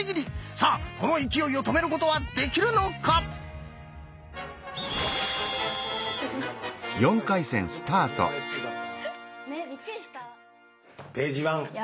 さあこの勢いを止めることはできるのか⁉ページワン！